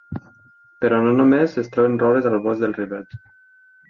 Però no només es troben roures al bosc del Rivet.